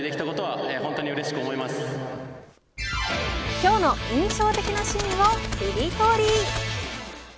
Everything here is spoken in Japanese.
今日の印象的なシーンをキリトリ。